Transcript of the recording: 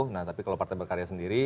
nah tapi kalau partai berkarya sendiri